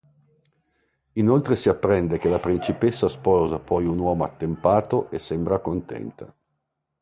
Inoltre si apprende che la principessa sposa poi un uomo attempato e sembra contenta.